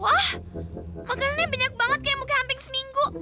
wah makannya banyak banget kayak mungkin hamping seminggu